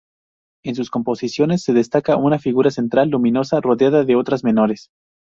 En sus composiciones se destaca una figura central luminosa, rodeada de otras menores.